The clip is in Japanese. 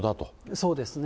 そうですね。